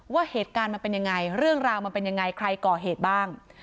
ว่าเหตุการณ์มันเป็นยังไงเรื่องราวมันเป็นยังไงใครก่อเหตุบ้าง